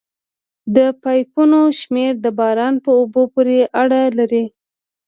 د پایپونو شمېر د باران په اوبو پورې اړه لري